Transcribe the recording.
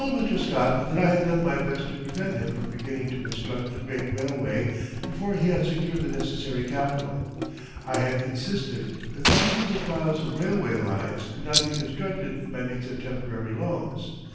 ] I told Mr. Scott that I had done my best to prevent him from beginning to construct a great railway before he had secured the necessary capital. I had insisted that thousands of miles of railway lines could not be constructed by means of temporary loans.